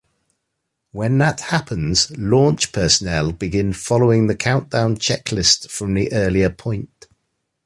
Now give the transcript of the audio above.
When that happens, launch personnel begin following the countdown checklist from the earlier point.